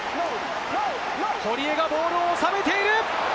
堀江がボールをおさえている！